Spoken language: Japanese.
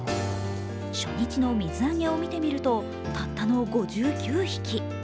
初日の水揚げを見てみるとたったの５９匹。